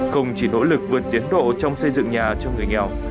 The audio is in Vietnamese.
không chỉ nỗ lực vượt tiến độ trong xây dựng nhà cho người nghèo